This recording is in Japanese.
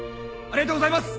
ありがとうございます！！